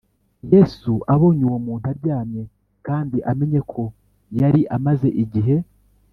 Yesu abonye uwo muntu aryamye kandi amenye ko yari amaze igihe